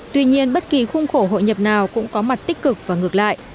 tuy nhiên bất kỳ khung khổ hội nhập nào cũng có mặt tích cực và ngược lại